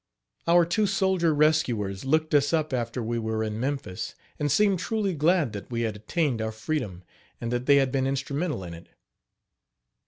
Our two soldier rescuers looked us up after we were in Memphis, and seemed truly glad that we had attained our freedom, and that they had been instrumental in it.